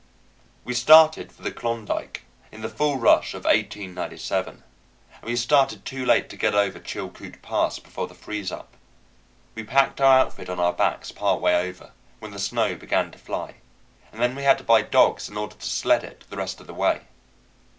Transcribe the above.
We started for the Klondike in the fall rush of 1897, and we started too late to get over Chilcoot Pass before the freeze up. We packed our outfit on our backs part way over, when the snow began to fly, and then we had to buy dogs in order to sled it the rest of the way.